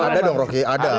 ada dong rocky ada